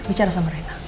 bicara sama rena